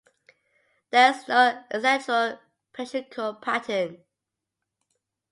There is no accentual metrical pattern.